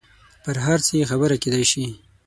پر هر څه یې خبره کېدای شي.